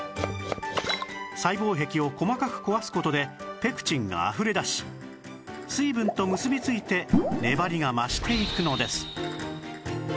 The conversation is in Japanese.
細胞壁を細かく壊す事でペクチンがあふれ出し水分と結びついて粘りが増していくのです